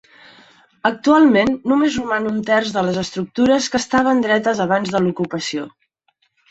Actualment, només roman un terç de les estructures que estaven dretes abans de l'ocupació.